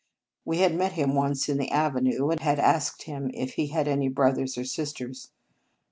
We had met him once in the avenue, and had asked him if he had any brothers or sisters.